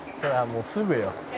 もうすぐよ」